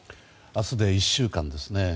明日で１週間ですね。